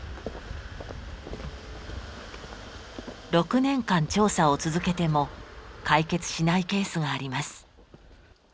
６年間調査を続けても解決しないケースがあります。